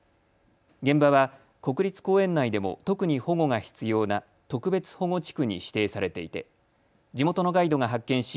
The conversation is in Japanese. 現場は国立公園内でも特に保護が必要な特別保護地区に指定されていて地元のガイドが発見し